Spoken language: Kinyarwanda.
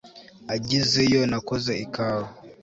Agezeyo nakoze ikawa